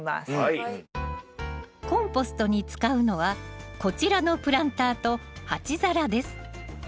コンポストに使うのはこちらのプランターと鉢皿です。